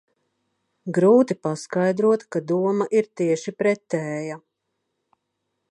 Grūti paskaidrot, ka doma ir tieši pretēja.